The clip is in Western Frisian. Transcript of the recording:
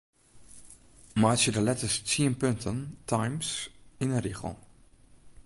Meitsje de letters tsien punten Times yn 'e rigel.